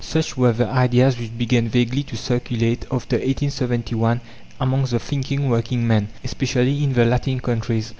Such were the ideas which began vaguely to circulate after 1871 amongst the thinking working men, especially in the Latin countries.